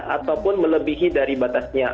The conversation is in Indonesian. ataupun melebihi dari batasnya